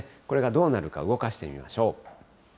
これがどうなるか、動かしてみましょう。